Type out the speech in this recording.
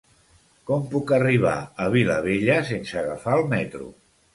Com puc arribar a Vilabella sense agafar el metro?